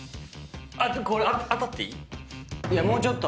これ当たっていい？